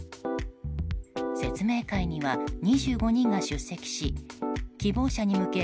説明会には２５人が出席し希望者に向け